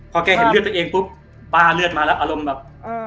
พอแกเห็นเลือดตัวเองปุ๊บป้าเลือดมาแล้วอารมณ์แบบ